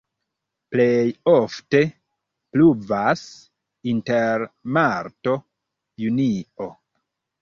Plej ofte pluvas inter marto-junio.